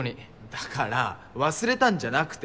だから忘れたんじゃなくて。